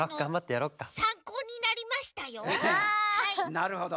なるほど。